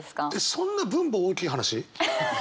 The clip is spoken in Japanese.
そんな分母大きい話？